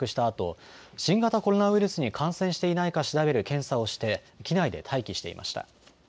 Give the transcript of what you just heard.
あと新型コロナウイルスに感染していないか調べる検査をして機内で待機していました。